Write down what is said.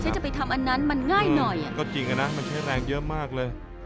จะไปทำอันนั้นมันง่ายหน่อยอ่ะก็จริงอะนะมันใช้แรงเยอะมากเลย